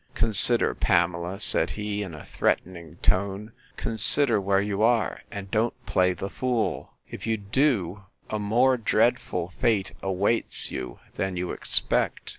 —Consider, Pamela, said he, in a threatening tone, consider where you are! and don't play the fool: If you do, a more dreadful fate awaits you than you expect.